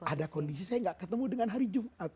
ada kondisi saya gak ketemu dengan hari jumat